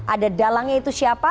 ada dalangnya itu siapa